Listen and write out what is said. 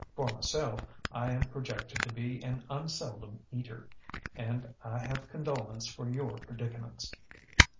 For myself, I am projected to be an unseldom eater, and I have condolence for your predicaments.